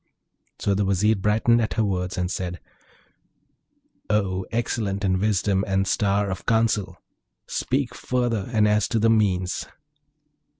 So the Vizier brightened at her words, and said, 'O excellent in wisdom and star of counsel! speak further, and as to the means.'